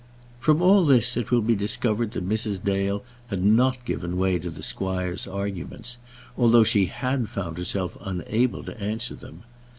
From all this, it will be discovered that Mrs. Dale had not given way to the squire's arguments, although she had found herself unable to answer them.